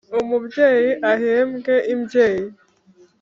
Umubyeyi ahembwe imbyeyi